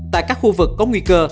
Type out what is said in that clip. tại các khu vực có nguy cơ